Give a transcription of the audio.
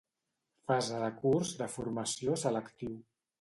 Fase de curs de formació selectiu.